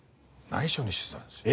内緒にしてたんですよ。